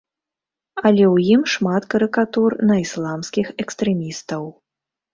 Але ў ім шмат карыкатур на ісламскіх экстрэмістаў.